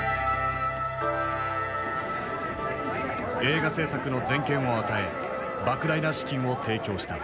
映画製作の全権を与え莫大な資金を提供した。